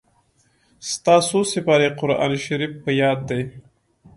ستا څو سېپارې قرآن شريف په ياد دئ.